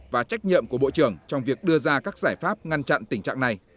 và trách nhiệm của bộ trưởng trong việc đưa ra các giải pháp ngăn chặn tình trạng này